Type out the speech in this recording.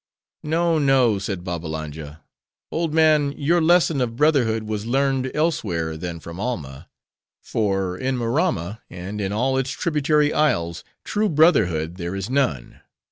"No, no," said Babbalanja; "old man! your lesson of brotherhood was learned elsewhere than from Alma; for in Maramma and in all its tributary isles true brotherhood there is none.